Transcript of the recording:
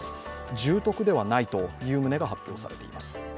重篤ではないという旨が発表されています。